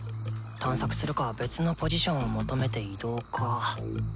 探索するか別のポジションを求めて移動か。